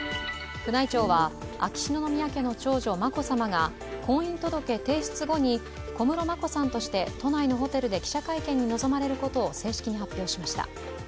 宮内庁は秋篠宮家の長女・眞子さまが婚姻届提出後に小室眞子さんとして都内のホテルで記者会見に臨まれることを正式に発表しました。